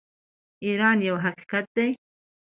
ایران یو حقیقت دی.